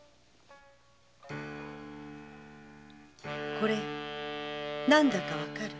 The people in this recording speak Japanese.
これ何だかわかる？